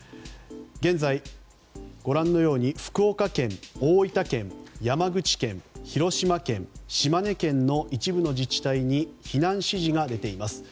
現在、ご覧のように福岡県、大分県、山口県広島県、島根県の一部の自治体に避難指示が出ています。